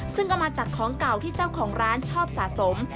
ซึ่งก็มาจากของเก่าที่เจ้าของร้านชอบสะสม